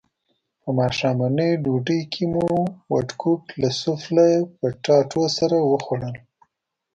په ماښامنۍ ډوډۍ کې مو وډکوک له سوفله پټاټو سره وخوړل.